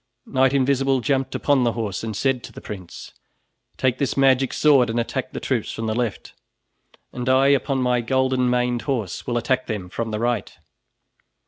Knight Invisible jumped upon the horse and said to the prince: "Take this magic sword and attack the troops from the left, and I upon my golden maned horse will attack them from the right."